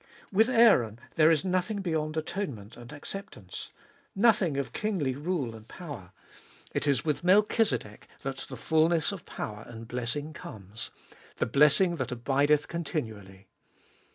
With Aaron there is nothing beyond atone ment and acceptance ; nothing of kingly rule and power ; it is 238 abe Dolfest of ait with Melchizedek that the fulness of power and blessing comes, the blessing that abideth continually.